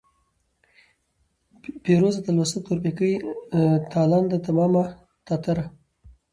پېروزه ، تلوسه ، تورپيکۍ ، تالنده ، تمامه ، تاتره ،